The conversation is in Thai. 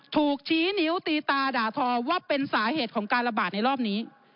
ถูกชี้นิ้วตีตาด่าทอว่าเป็นสาเหตุของการระบาดในรอบนี้